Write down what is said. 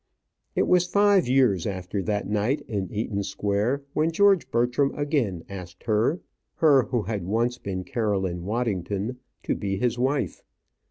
It was five years after that night in Eaton Square when George Bertram again asked her her who had once been Caroline Waddington to be his wife.